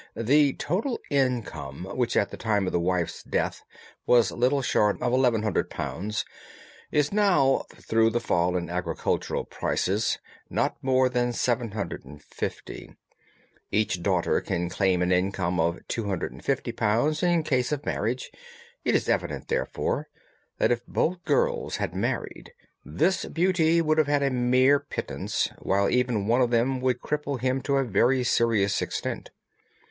The total income, which at the time of the wife's death was little short of £ 1,100, is now, through the fall in agricultural prices, not more than £ 750. Each daughter can claim an income of £ 250, in case of marriage. It is evident, therefore, that if both girls had married, this beauty would have had a mere pittance, while even one of them would cripple him to a very serious extent.